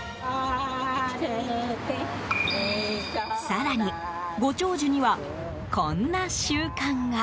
更に、ご長寿にはこんな習慣が。